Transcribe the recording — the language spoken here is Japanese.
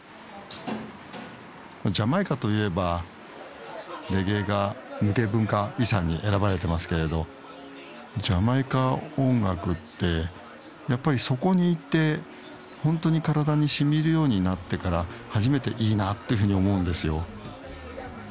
ジャマイカといえばレゲエが無形文化遺産に選ばれてますけれどジャマイカ音楽ってやっぱりそこに行って本当に体にしみいるようになってから初めていいなあっていうふうに思うんですよ。